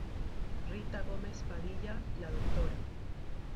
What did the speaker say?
Rita Gómez Padilla, la Dra.